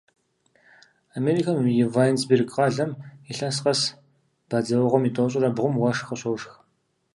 Америкэм и Вайнсберг къалэм илъэс къэс бадзэуэгъуэм и тӏощӏрэ бгъум уэшх къыщошх.